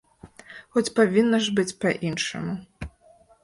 Хоць павінна ж быць па-іншаму.